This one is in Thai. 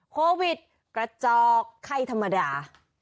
โควิดกระจอกไข้ธรรมดา